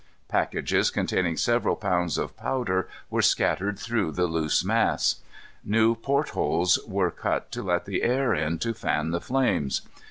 Packages, containing several pounds of powder, were scattered through the loose mass. New port holes were cut to let the air in to fan the flames.